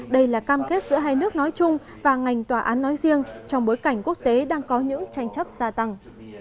đây là cam kết giữa hai nước nói chung và ngành tòa án nói riêng trong bối cảnh quốc tế đang có những tranh chấp gia tăng